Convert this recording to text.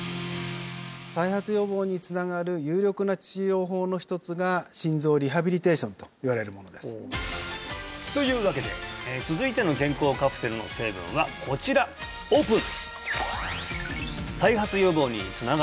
再発予防につながる有力な治療法の一つがといわれるものですというわけで続いての健康カプセルの成分はこちらオープン！